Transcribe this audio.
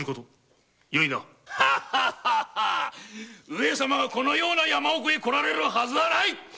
上様がこんな山奥に来られるはずはない！